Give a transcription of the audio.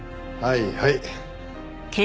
はいはい。